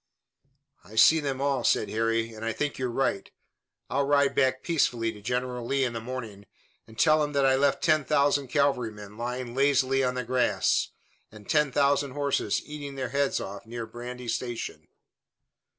"I see them all," said Harry, "and I think you're right. I'll ride back peaceably to General Lee in the morning, and tell him that I left ten thousand cavalrymen lying lazily on the grass, and ten thousand horses eating their heads off near Brandy Station."